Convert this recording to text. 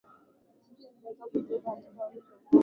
ya nchi zilianza kujitoa katika umoja huu